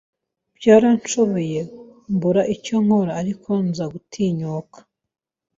Byaranshobeye mbura icyo nkora ariko nza gutinyuka